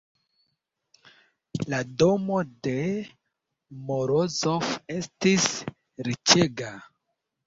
La domo de Morozov estis riĉega.